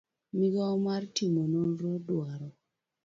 migawo mar timo nonro dwaro